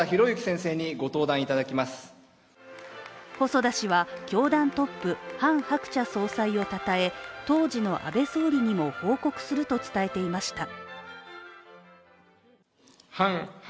細田氏は教団トップ、ハン・ハクチャ総裁をたたえ当時の安倍総理にも報告すると伝えていました。